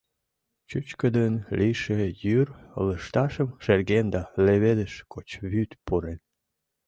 Чӱчкыдын лийше йӱр лышташым шерген да леведыш гоч вӱд пурен.